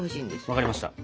分かりました。